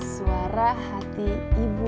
suara hati ibu